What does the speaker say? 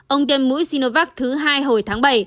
ông tiêm mũi sinovac thứ hai hồi tháng bảy